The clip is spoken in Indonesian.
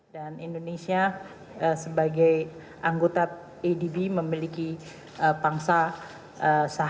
dan indonesia sebagai anggota adb memiliki peran besar untuk menjawab tantangan ekonomi di tahun dua ribu tujuh belas